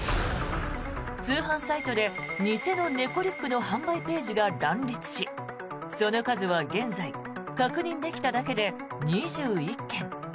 通販サイトで偽の猫リュックの販売ページが乱立しその数は現在確認できただけで２１件。